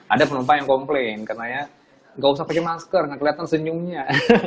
ada penumpang yang komplain karena ya nggak usah pakai masker gak kelihatan senyumnya